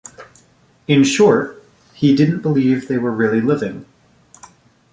In short, he didn't believe they were really living.